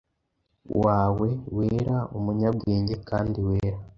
wawe, wera, umunyabwenge kandi wera,